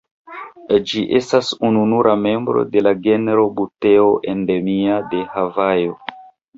Ĝi estas ununura membro de la genro "Buteo" endemia de Havajo.